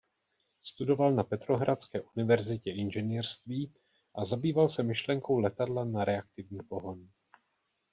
Studoval na Petrohradské univerzitě inženýrství a zabýval se myšlenkou letadla na reaktivní pohon.